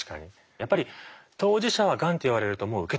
やっぱり当事者はがんって言われるともう受け止めきれない。